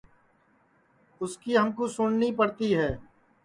اُس کی ہمکُو سُٹؔنی پڑتی ہے